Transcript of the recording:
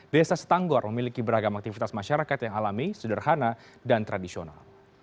desa setanggor memiliki beragam aktivitas masyarakat yang alami sederhana dan tradisional